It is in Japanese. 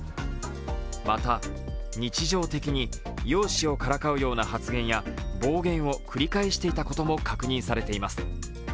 また、日常的に容姿をからかうような発言や暴言を繰り返していたことも確認されています。